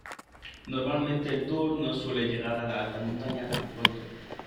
Normalmente el Tour no suele llegar a la alta montaña tan pronto.